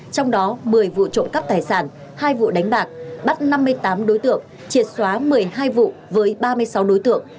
trong đó một mươi vụ trộm cắp tài sản hai vụ đánh bạc bắt năm mươi tám đối tượng triệt xóa một mươi hai vụ với ba mươi sáu đối tượng